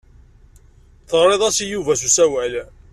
Teɣriḍ-as i Yuba s usawal.